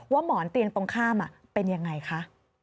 ว่าหมอนเตียงตรงข้ามเป็นอย่างไรคะ